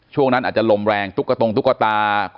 ช่วงนั้นอาจจะลมแรงตุ๊กตงตุ๊กตา